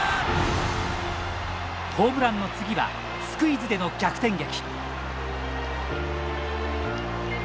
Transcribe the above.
ホームランの次はスクイズでの逆転劇。